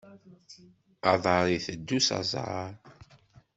Aḍar iteddu s aẓar.